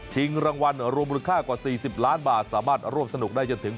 รางวัลรวมมูลค่ากว่า๔๐ล้านบาทสามารถร่วมสนุกได้จนถึง